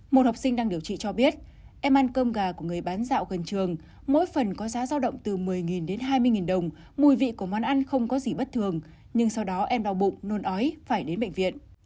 một học sinh đang điều trị cho biết em ăn cơm gà của người bán dạo gần trường mỗi phần có giá giao động từ một mươi đến hai mươi đồng mùi vị của món ăn không có gì bất thường nhưng sau đó em đau bụng nôn ói phải đến bệnh viện